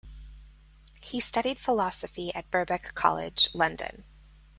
He studied philosophy at Birkbeck College, London.